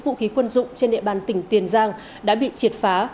vũ khí quân dụng trên địa bàn tỉnh tiền giang đã bị triệt phá